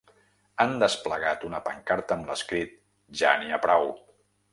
Han desplegat una pancarta amb l’escrit Ja n’hi ha prou!